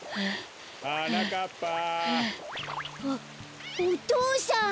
あっお父さん！